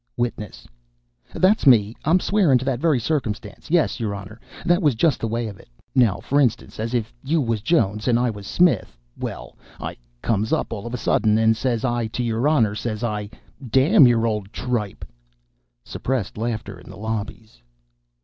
WITNESS. "That's me I'm swearing to that very circumstance yes, your Honor, that was just the way of it. Now, for instance, as if you was Jones and I was Smith. Well, I comes up all of a sudden and says I to your Honor, says I, 'D n your old tripe '" (Suppressed laughter in the lobbies.)